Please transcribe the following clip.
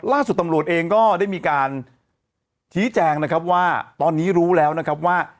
ล่าสุดตำรวจเองก็ได้มีการชี้แจงนะครับว่าตอนนี้รู้แล้วนะครับว่า